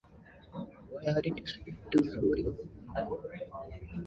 Why, aren't you sweet to worry about me!